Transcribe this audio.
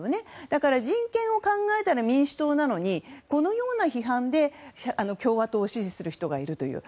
だから人権を考えたら民主党なのにこのような批判で共和党を支持する人がいるという。